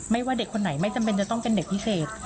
ว่าเด็กคนไหนไม่จำเป็นจะต้องเป็นเด็กพิเศษ